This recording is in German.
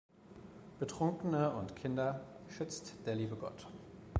Betrunkene und Kinder schützt der liebe Gott.